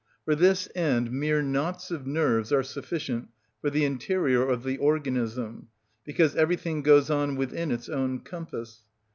For this end mere knots of nerves are sufficient for the interior of the organism, because everything goes on within its own compass.